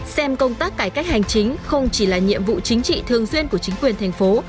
xem công tác cải cách hành chính không chỉ là nhiệm vụ chính trị thường xuyên của chính quyền thành phố